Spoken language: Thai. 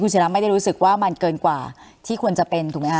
ศิราไม่ได้รู้สึกว่ามันเกินกว่าที่ควรจะเป็นถูกไหมค